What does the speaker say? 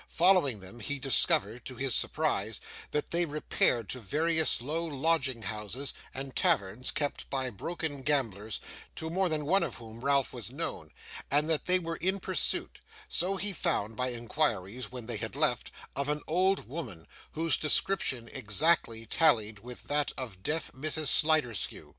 Following them, he discovered, to his surprise, that they repaired to various low lodging houses, and taverns kept by broken gamblers, to more than one of whom Ralph was known, and that they were in pursuit so he found by inquiries when they had left of an old woman, whose description exactly tallied with that of deaf Mrs Sliderskew.